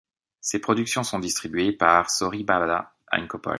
Ses productions sont distribuées par Soribada Inc.